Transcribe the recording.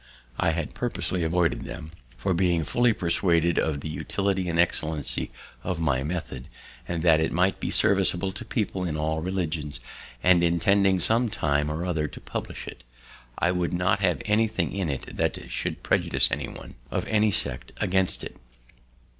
I had purposely avoided them; for, being fully persuaded of the utility and excellency of my method, and that it might be serviceable to people in all religions, and intending some time or other to publish it, I would not have anything in it that should prejudice anyone, of any sect, against it.